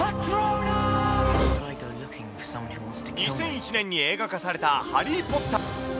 ２００１年に映画化されたハリー・ポッター。